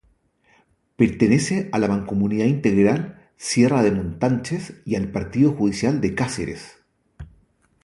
Pertenece a la Mancomunidad Integral Sierra de Montánchez y al partido judicial de Cáceres.